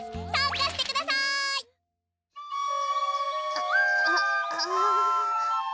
ああああ。